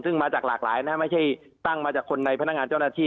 ซึ่งมาจากหลากหลายนะไม่ใช่ตั้งมาจากคนในพนักงานเจ้าหน้าที่